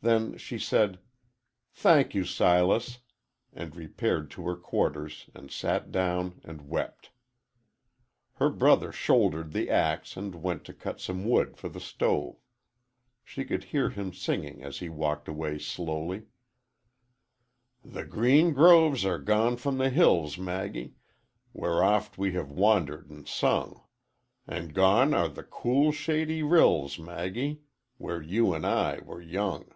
Then she said, "Thank you, Silas," and repaired to her quarters and sat down and wept. Her brother shouldered the axe and went to cut some wood for the stove. She could hear him singing as he walked away slowly: "The green groves are gone from the hills, Maggie, Where oft we have wandered an' sung, An' gone are the cool, shady rills, Maggie, Where you an' I were young."